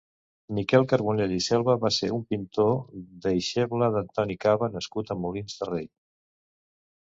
Miquel Carbonell i Selva va ser un pintor, deixeble d’Antoni Caba nascut a Molins de Rei.